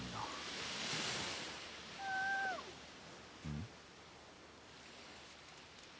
ん？